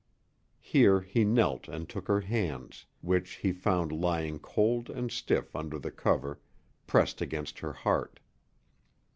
Here he knelt and took her hands, which he found lying cold and stiff under the cover, pressed against her heart.